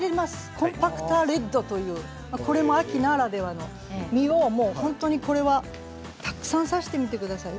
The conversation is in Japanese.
コンパクタレッドというこれも秋ならではの実をたくさん挿してみてください。